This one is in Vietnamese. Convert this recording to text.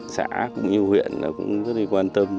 xã cũng yêu huyện cũng rất quan tâm